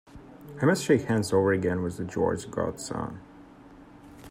I must shake hands over again with George's godson.